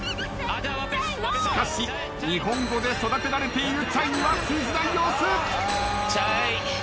しかし日本語で育てられているチャイには通じない様子。